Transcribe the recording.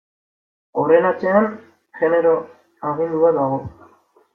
Horren atzean genero agindu bat dago.